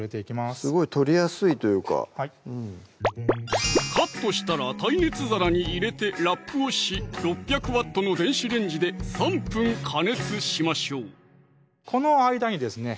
すごい取りやすいというかカットしたら耐熱皿に入れてラップをし６００Ｗの電子レンジで３分加熱しましょうこの間にですね